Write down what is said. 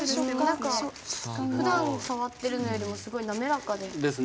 ふだん触ってるのよりもすごいなめらかです。